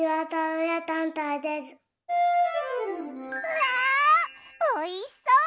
うわおいしそう！